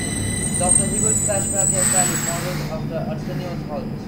Doctor Hibbert's flashback hairstyle is modeled after Arsenio Hall's.